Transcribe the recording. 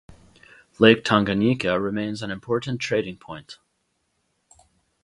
Lake Tanganyika remains an important trading point.